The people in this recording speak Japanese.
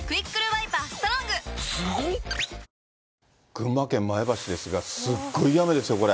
群馬県前橋市ですが、すごい雨ですよ、これ。